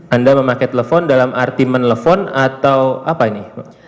anda memakai telepon dalam arti menelpon atau apa ini